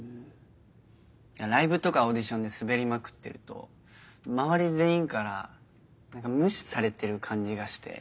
ライブとかオーディションでスベりまくってると周り全員から無視されてる感じがして。